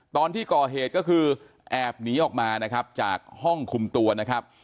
ตอนที่ก่อเหตุก็คือแอบหนีออกมานะครับจากห้องคุมตัวนะครับ